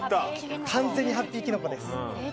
完全にハッピーキノコです。